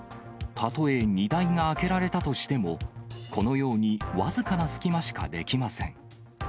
例え荷台が開けられたとしても、このように僅かな隙間しかできま